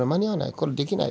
「これできない」。